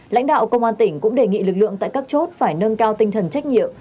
lãnh đạo công an tỉnh cũng đề nghị lực lượng tại các chốt phải nâng cao tinh thần trách nhiệm